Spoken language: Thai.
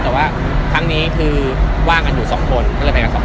แต่ว่าครั้งนี้คือว่างกันอยู่สองคนก็เลยไปกันสองคน